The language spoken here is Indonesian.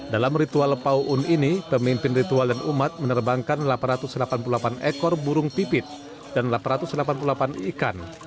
dalam ritual pauun ⁇ ini pemimpin ritual dan umat menerbangkan delapan ratus delapan puluh delapan ekor burung pipit dan delapan ratus delapan puluh delapan ikan